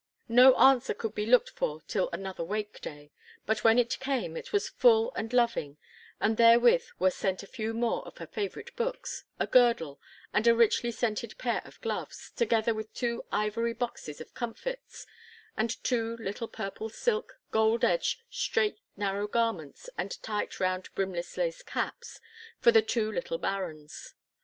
No answer could be looked for till another wake day; but, when it came, it was full and loving, and therewith were sent a few more of her favourite books, a girdle, and a richly scented pair of gloves, together with two ivory boxes of comfits, and two little purple silk, gold edged, straight, narrow garments and tight round brimless lace caps, for the two little Barons.